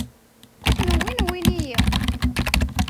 Akken wwin wwin-iyi.